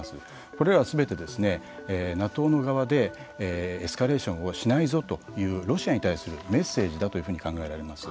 これらはすべてＮＡＴＯ側でエスカレーションをしないぞというロシアに対するメッセージだというふうに考えられます。